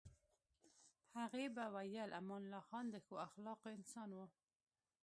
هغې به ویل امان الله خان د ښو اخلاقو انسان و.